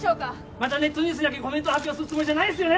・またネットニュースにだけコメント発表するつもりじゃないっすよね！？